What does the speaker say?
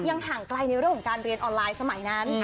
ยังห่างไกลในโรงการเรียนออนไลน์สมัยนั้น